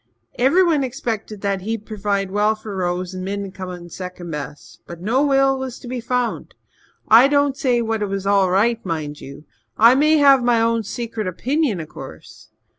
Everyone expected that he'd purvide well for Rose and Min'd come in second best. But no will was to be found. I don't say but what it was all right, mind you. I may have my own secret opinion, of course.